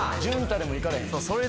淳太でもいかれへんそう